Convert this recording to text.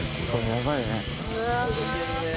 「やばいね」